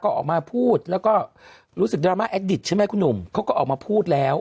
ก็ออกมาพูดแล้วก็รู้สึกดราม่าแอดดิตใช่ไหมคุณหนุ่มเขาก็ออกมาพูดแล้ว